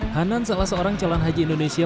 hanan salah seorang calon haji indonesia